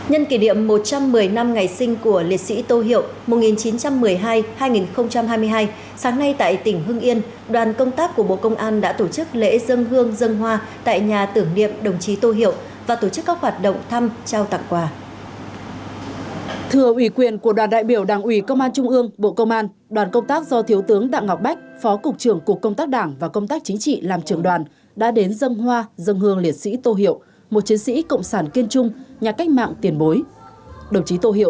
hãy đăng ký kênh để ủng hộ kênh của chúng mình nhé